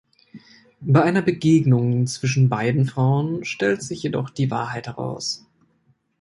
Bei einer Begegnung zwischen beiden Frauen stellt sich jedoch die Wahrheit heraus.